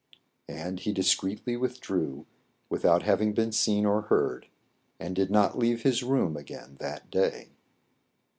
And he discreetly withdrew, without having been seen or heard, and did not leave his room again that day.